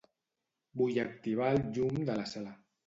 Vull activar el llum de la sala.